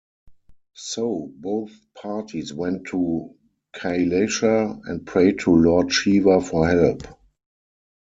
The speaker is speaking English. So both parties went to Kailasha and prayed to Lord Shiva for help.